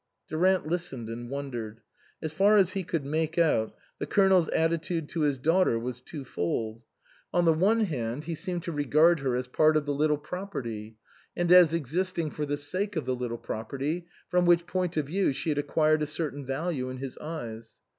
Durant listened and wondered. As far as he could make out, the Colonel's attitude to his daughter was twofold. On the one hand, he 133 THE COSMOPOLITAN seemed to regard her as part of the little property, and as existing for the sake of the little property, from which point of view she had acquired a certain value in his eyes.